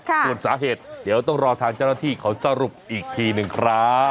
ส่วนสาเหตุเดี๋ยวต้องรอทางเจ้าหน้าที่เขาสรุปอีกทีหนึ่งครับ